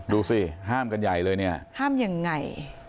ดูสิห้ามกันใหญ่เลยเนี่ยห้ามยังไง